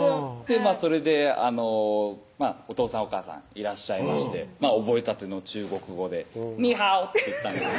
それでおとうさんおかあさんいらっしゃいまして覚えたての中国語で「ニーハオ！」って言ったんです